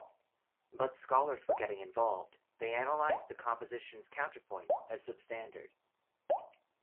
But scholars were getting involved: they analysed the composition's counterpoint as substandard.